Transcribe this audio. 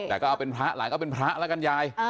แต่ก็เอาเป็นพระหลานก็เป็นพระแล้วกันยาย